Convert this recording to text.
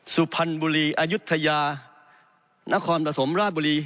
สุพรรณบุรีอายุทยานครปฐมราชบุรี